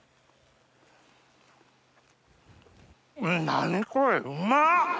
何これうまっ！